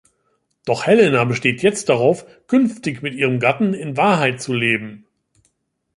Doch Helena besteht jetzt darauf, künftig mit ihrem Gatten in Wahrheit zu leben.